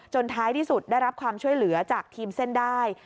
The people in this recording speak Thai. ท้ายที่สุดได้รับความช่วยเหลือจากทีมเส้นได้